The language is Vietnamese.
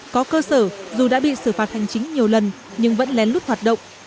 có cơ sở dù đã bị xử phạt hành chính nhiều lần nhưng vẫn lén lút hoạt động